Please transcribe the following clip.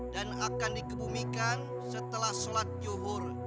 dan akan dikebumikan setelah solat juhur